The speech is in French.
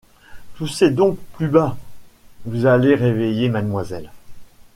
Toussez donc plus bas !… vous allez réveiller Mademoiselle…